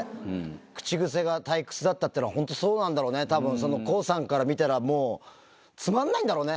口癖が退屈だったというのは、本当、そうなんだろうね、たぶん、康さんから見たらもうつまんないんだろうね。